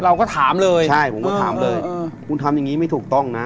เราก็ถามเลยใช่ผมก็ถามเลยคุณทำอย่างงี้ไม่ถูกต้องนะ